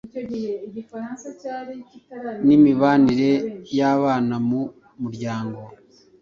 nimibanire y’abana mu muryango